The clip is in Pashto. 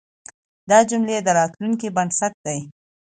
دا جملې د راتلونکي بنسټ دی.